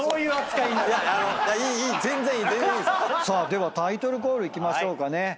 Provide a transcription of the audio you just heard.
ではタイトルコールいきましょうかね。